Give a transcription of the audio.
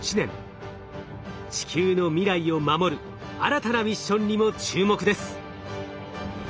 地球の未来を守る新たなミッションにも注目です。